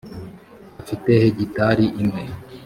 afite hegitari imwe.